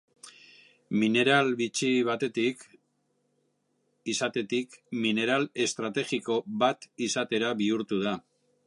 Mineral bitxi batetik izatetik, mineral estrategiko bat izatera bihurtu da.